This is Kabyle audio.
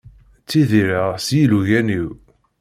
Ttidireɣ s yilugan-iw.